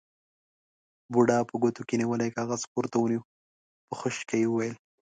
بوډا په ګوتو کې نيولی کاغذ پورته ونيو، په خشکه يې وويل: